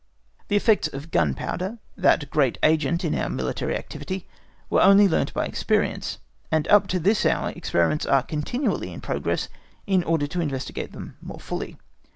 The effects of gunpowder, that great agent in our military activity, were only learnt by experience, and up to this hour experiments are continually in progress in order to investigate them more fully.